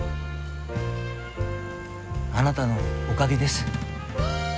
あなたのおかげです。